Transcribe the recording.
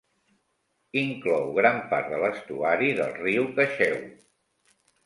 Inclou gran part de l'estuari del riu Cacheu.